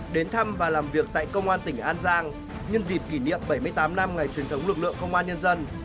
đến thăm và làm việc tại công an tỉnh an giang nhân dịp kỷ niệm bảy mươi tám năm ngày truyền thống lực lượng công an nhân dân